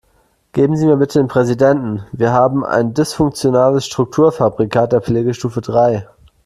Geben Sie mir bitte den Präsidenten, wir haben ein dysfunktionales Strukturfabrikat der Pflegestufe drei.